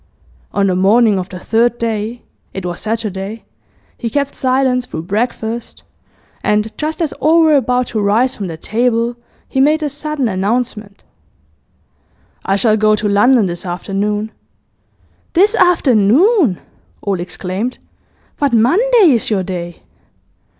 On the morning of the third day it was Saturday he kept silence through breakfast, and just as all were about to rise from the table, he made a sudden announcement: 'I shall go to London this afternoon.' 'This afternoon?' all exclaimed. 'But Monday is your day.